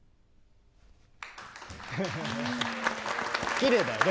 きれいだよね